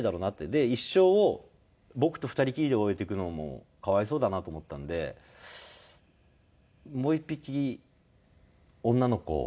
で一生を僕と２人きりで終えていくのも可哀想だなと思ったんでもう１匹女の子を。